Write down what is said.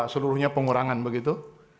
seluruhnya pengurangan begitu